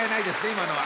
今のは。